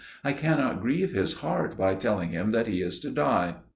I cannot grieve his heart by telling him that he is to die."